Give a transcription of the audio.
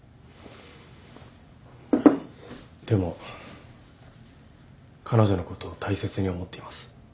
でも彼女のことを大切に思っています。